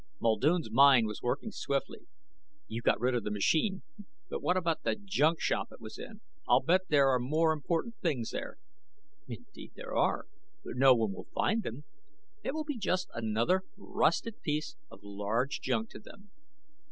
Muldoon's mind was working swiftly. "You got rid of the machine. But what about the junk shop it was in. I'll bet there are more important things there." "Indeed there are. But no one will find it. It will be just another rusted piece of large junk to them."